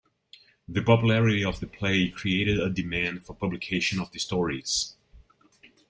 The popularity of the play created a demand for publication of the stories.